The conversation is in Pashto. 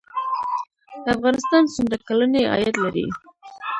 افغانستان څومره کلنی عاید لري؟